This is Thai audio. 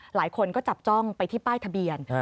หลายคนก็จับจ้องไปที่ป้ายทะเบียน